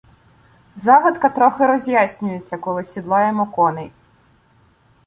Загадка трохи роз'яснюється, коли сідлаємо коней.